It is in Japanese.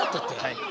はい。